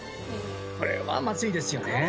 これはまずいですよね。